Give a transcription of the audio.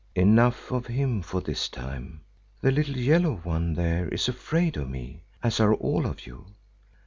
Enough of him for this time. The little yellow one there is afraid of me, as are all of you.